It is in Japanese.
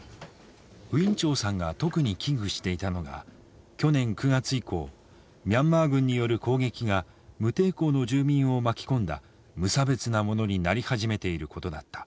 ウィン・チョウさんが特に危惧していたのは去年９月以降ミャンマー軍による攻撃が無抵抗の住民を巻き込んだ無差別なものになり始めていることだった。